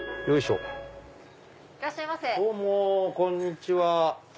どうもこんにちは。